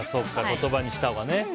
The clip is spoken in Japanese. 言葉にしたほうがね。